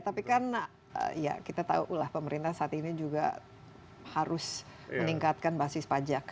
tapi kan ya kita tahu ulah pemerintah saat ini juga harus meningkatkan basis pajak